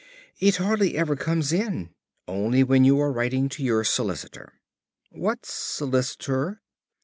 "It hardly ever comes in. Only when you are writing to your solicitor." "What's 'solicitor'?"